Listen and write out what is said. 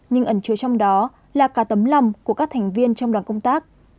nhưng ẩn chứa trong đó là cả tấm lòng của các thành viên trong đoàn công tác